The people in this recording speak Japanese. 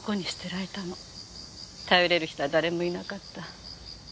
頼れる人は誰もいなかった。